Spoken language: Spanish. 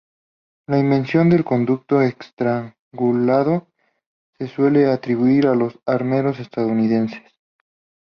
La invención del conducto estrangulado se suele atribuir a los armeros estadounidenses.